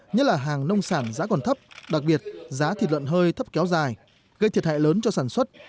nhất là hàng nông sản giá còn thấp đặc biệt giá thịt lợn hơi thấp kéo dài gây thiệt hại lớn cho sản xuất